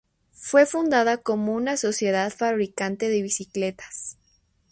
Fue fundada como una sociedad fabricante de bicicletas.